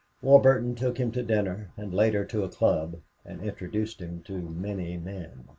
Warburton took him to dinner and later to a club, and introduced him to many men.